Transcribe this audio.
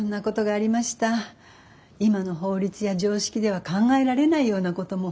今の法律や常識では考えられないようなことも。